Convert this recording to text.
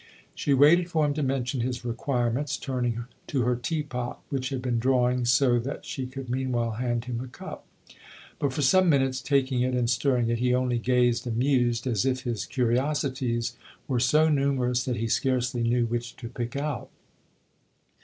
She waited for him to mention his requirements, THE OTHER HOUSE 121 turning to her teapot, which had been drawing, so that she could meanwhile hand him a cup. But for some minutes, taking it and stirring it, he only gazed and mused, as if his curiosities were so numerous that he scarcely knew which to pick out.